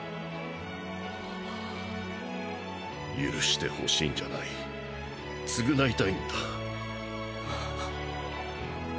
許してほしいんじゃない償いたいんだ。